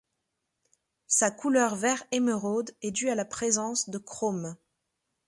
Sa couleur vert émeraude est due à la présence de chrome.